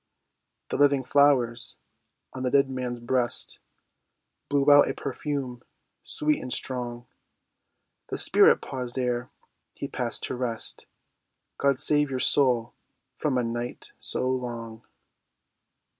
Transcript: The living flowers on the dead man's breast Blew out a perfume sweet and strong. The spirit paused ere he passed to rest— "God save your soul from a night so long."